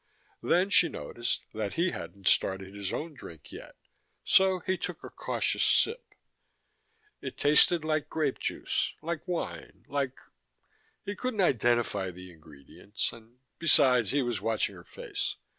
Then she noticed that he hadn't started his own drink yet, so he took a cautious sip. It tasted like grape juice, like wine, like he couldn't identify the ingredients, and besides he was watching her face.